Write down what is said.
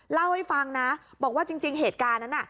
เล่าให้ฟังนะบอกว่าจริงเหตุการณ์นั้นน่ะ